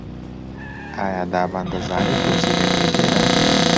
ئایا دابان دەزانێت تۆ چی دەکەیت لێرە؟